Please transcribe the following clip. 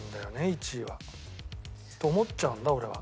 １位はと思っちゃうんだ俺は。